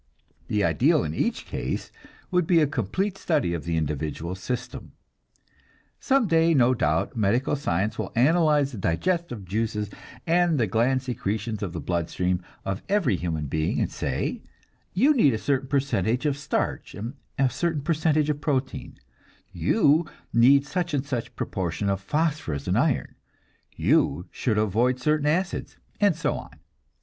The ideal in each case would be a complete study of the individual system. Some day, no doubt, medical science will analyze the digestive juices and the gland secretions and the blood stream of every human being, and say, you need a certain percentage of starch and a certain percentage of protein; you need such and such proportion of phosphorus and iron; you should avoid certain acids and so on.